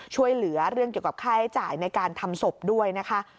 ช่วยเหลือเรื่องเกี่ยวกับค่าใช้จ่ายในการทำศพด้วยนะคะ